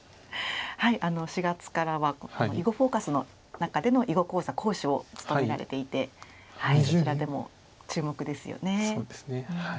４月からは「囲碁フォーカス」の中での囲碁講座講師を務められていてそちらでも注目ですよね。